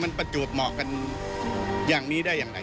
มันประจวบเหมาะกันอย่างนี้ได้อย่างไร